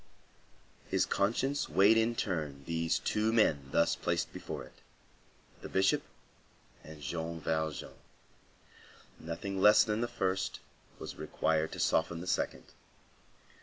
His conscience weighed in turn these two men thus placed before it,—the Bishop and Jean Valjean. Nothing less than the first was required to soften the second.